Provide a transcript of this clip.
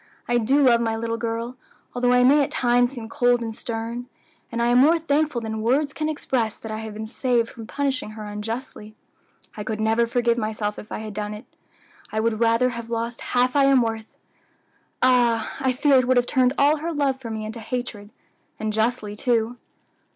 "I do love my little girl, although I may at times seem cold and stern; and I am more thankful than words can express that I have been saved from punishing her unjustly. I could never forgive myself if I had done it. I would rather have lost half I am worth; ah! I fear it would have turned all her love for me into hatred; and justly, too."